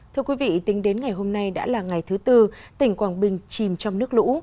thưa quý vị tính đến ngày hôm nay đã là ngày thứ tư tỉnh quảng bình chìm trong nước lũ